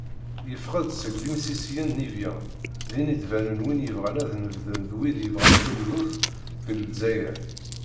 Yeffeɣ-d seld imsisiyen n Ivyan, din i d-banen wid yebɣan ad nebḍen d wid yebɣan tugdut deg Lezzayer.